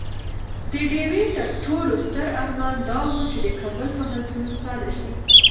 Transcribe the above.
د ډيوې تر ټولو ستر ارمان دا وو چې د کابل پوهنتون استاده شي